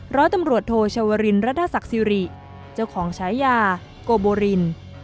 ร้อยตำรวจโทชวรินรัฐศักดิ์สิริเจ้าของฉายาโกโบริน